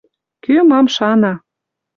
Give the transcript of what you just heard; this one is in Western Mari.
Кӱ мам шана —